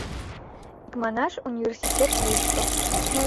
Икманаш, университет вуйышто.